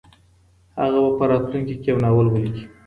هغه به په راتلونکي کي یو ناول ولیکي.